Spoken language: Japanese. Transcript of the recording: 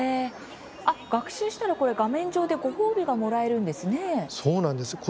学習したら画面上でご褒美がもらえるんですね。